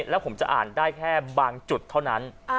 แล้วผมจะอ่านได้แค่บางจุดเท่านั้น